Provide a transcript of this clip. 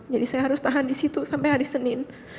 jadi saya harus tahan di situ sampai hari senin